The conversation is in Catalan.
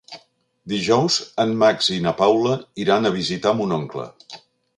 Dijous en Max i na Paula iran a visitar mon oncle.